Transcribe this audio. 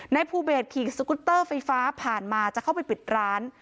ภูเบสขี่สกุตเตอร์ไฟฟ้าผ่านมาจะเข้าไปปิดร้าน